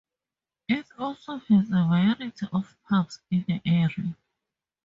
It also has a variety of pubs in the area.